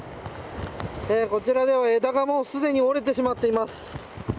こちらでは枝が、もうすでに折れてしまっています。